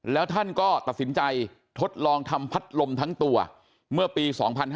แล้วท่านก็ตัดสินใจทดลองทำพัดลมทั้งตัวเมื่อปี๒๕๕๙